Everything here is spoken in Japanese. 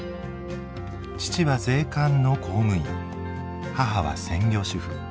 父は税関の公務員母は専業主婦。